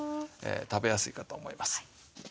食べやすいかと思います。